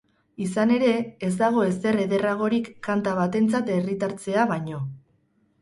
Izan ere, ez dago ezer ederragorik kanta batentzat herritartzea baino.